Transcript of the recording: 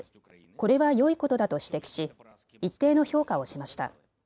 これはよいことだと指摘し一定の評価をしました。